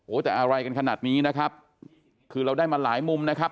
แต่อะไรกันขนาดนี้นะครับคือเราได้มาหลายมุมนะครับ